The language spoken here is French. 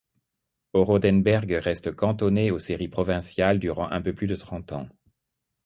Ourodenberg reste cantonné aux séries provinciales durant un peu plus de trente ans.